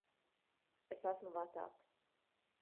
Es esmu vecāks.